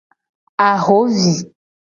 Ahovi.